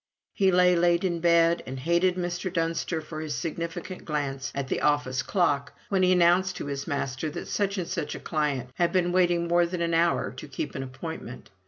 He lay late in bed, and hated Mr. Dunster for his significant glance at the office clock when he announced to his master that such and such a client had been waiting more than an hour to keep an appointment.